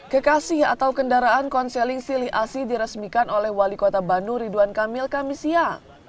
kekasih atau kendaraan konseling silih asi diresmikan oleh wali kota bandung ridwan kamil kamisia